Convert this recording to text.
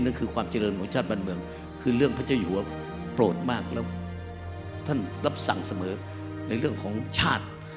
นั่นคือความเจริญของชาติบ้านเมืองคือเรื่องพระเจ้าอยู่ว่าโปรดมากแล้วท่านรับสั่งเสมอในเรื่องของชาติ